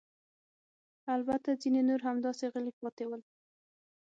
البته ځیني نور همداسې غلي پاتې ول.